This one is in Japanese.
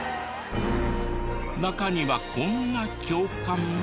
中にはこんな教官も。